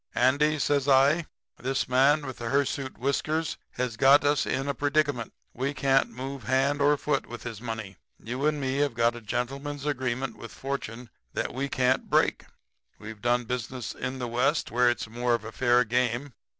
"'Andy,' says I, 'this man with the hirsute whiskers has got us in a predicament. We can't move hand or foot with his money. You and me have got a gentleman's agreement with Fortune that we can't break. We've done business in the West where it's more of a fair game.